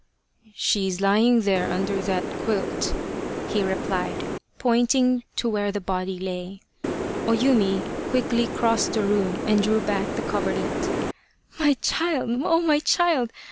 " She is lying there under that quilt," he replied, pointing to where the body lay. O Yumi quickly crossed the room and drew back the coverlet. " My child ! Oh, my child